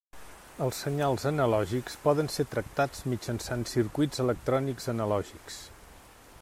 Els senyals analògics poden ser tractats mitjançant circuits electrònics analògics.